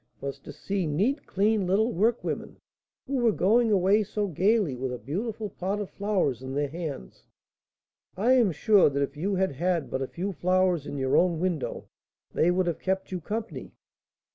was to see neat, clean little workwomen, who were going away so gaily with a beautiful pot of flowers in their hands." "I am sure that if you had had but a few flowers in your own window, they would have kept you company."